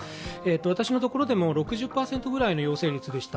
私のところでも６０％ぐらいの陽性率でした。